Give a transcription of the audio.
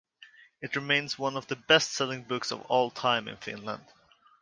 It remains one of the best-selling books of all time in Finland.